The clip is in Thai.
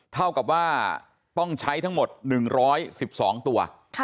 เท่ากับว่าต้องใช้ทั้งหมด๑๑๒ตัว